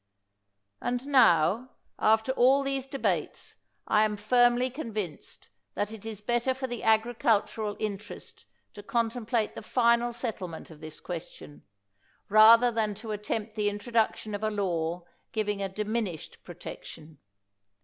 And now, after all these debates, I am firmly convinced that it is better for the agricultural interest to contemplate the final settlement of this question, rather than to attempt the intro duction of a law giving a diminished protection.